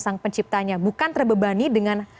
sang penciptanya bukan terbebani dengan